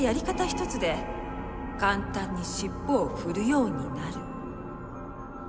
一つで簡単に尻尾を振るようになる。